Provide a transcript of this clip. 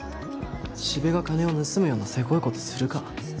四部が金を盗むようなせこい事するか？